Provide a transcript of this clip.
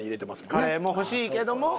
カレーも欲しいけども。